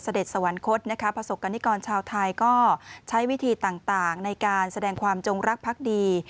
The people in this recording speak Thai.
สวรรคตนะคะประสบกรณิกรชาวไทยก็ใช้วิธีต่างในการแสดงความจงรักพักดี